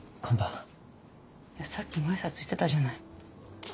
さっきも挨拶してたじゃない。